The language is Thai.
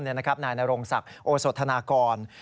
นายนรงศักดิ์โอโสธนากร